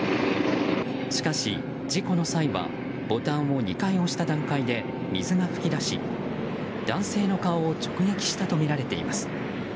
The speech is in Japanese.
しかし、事故の際はボタンを２回押した段階で水が噴き出し、男性の顔を直撃したとみられています。